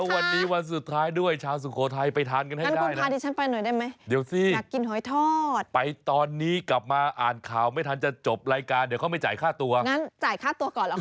วันนี้วันสุดท้ายด้วยชาวสุโขทัยไปทานกันให้ได้นะ